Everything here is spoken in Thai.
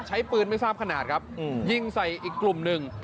ใช้ปืนไม่ทราบขนาดครับยิงใส่อีกกลุ่มหนึ่ง